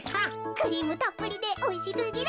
クリームたっぷりでおいしすぎる。